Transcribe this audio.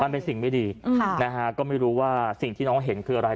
มันเป็นสิ่งไม่ดีนะฮะก็ไม่รู้ว่าสิ่งที่น้องเห็นคืออะไร